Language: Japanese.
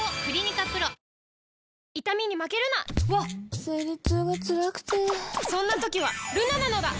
わっ生理痛がつらくてそんな時はルナなのだ！